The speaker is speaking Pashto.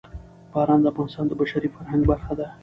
باران د افغانستان د بشري فرهنګ برخه ده.